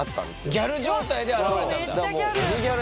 ギャル状態で現れたんだ。